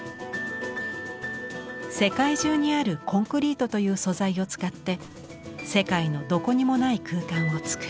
世界中にあるコンクリートという素材を使って世界のどこにもない空間をつくる。